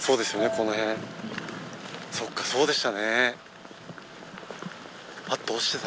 この辺そっかそうでしたね